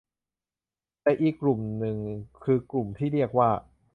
แต่อีกลุ่มหนึ่งคือกลุ่มที่เรียกว่า